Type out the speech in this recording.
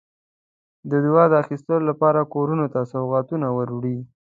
د دعا د اخیستلو لپاره کورونو ته سوغاتونه وروړي.